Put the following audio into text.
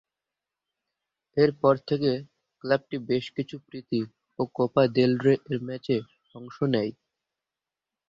এর পর থেকে ক্লাবটি বেশ কিছু প্রীতি ও কোপা দেল রে-এর ম্যাচে অংশ নেয়।